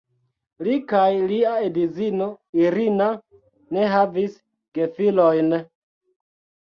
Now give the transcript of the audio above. Li kaj lia edzino "Irina" ne havis gefilojn.